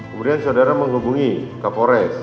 kemudian saudara menghubungi kapolres